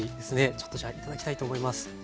ちょっとじゃあ頂きたいと思います。